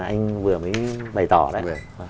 anh vừa mới bày tỏ đấy